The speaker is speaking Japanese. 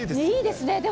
いいですね。